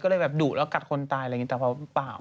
ก็เลยแบบดุแล้วกัดคนตายอะไรอย่างนี้แต่พอเปล่า